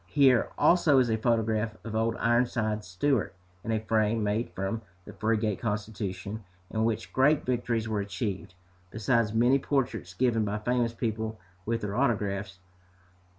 Here, also, is a photograph of "Old Ironsides" Stewart, in a frame made from the frigate Constitution, in which great victories were achieved, besides many portraits given by famous people, with their autographs.